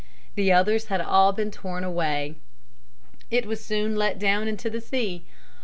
The others had all been torn away. It was soon let down into the sea.